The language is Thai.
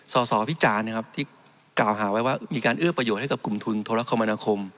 สสพิจารณ์นะครับที่กล่าวหาไว้ว่ามีการเอื้อประโยชน์ให้กับกลุ่มทุนโทรคมนาคม